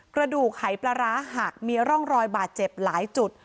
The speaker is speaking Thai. กระดูกหายปลาร้าหักมีร่องรอยบาดเจ็บหลายจุด